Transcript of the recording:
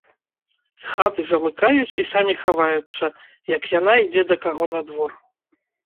Хаты замыкаюць і самі хаваюцца, як яна ідзе да каго на двор.